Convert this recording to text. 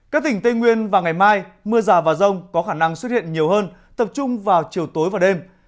các tỉnh tây nguyên và ngày mai mưa rào và rông có khả năng xuất hiện nhiều hơn tập trung vào chiều tối và đêm